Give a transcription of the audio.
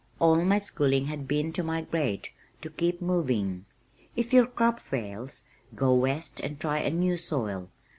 All my schooling had been to migrate, to keep moving. "If your crop fails, go west and try a new soil.